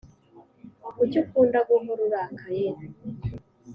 Kuki ukunda guhora urakaye